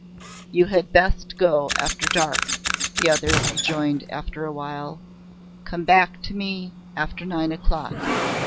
"You had best go after dark," the other rejoined after awhile. "Come back to me after nine o'clock.